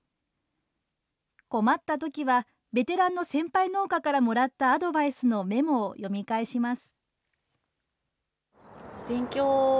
困ったときは、ベテランの先輩農家からもらったアドバイスのメモを読み返します。